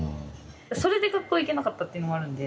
それで学校行けなかったっていうのもあるんで。